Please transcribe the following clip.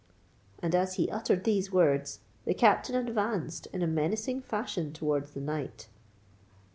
And, as he uttered these words, the Captain advanced in a menacing fashion towards the knight.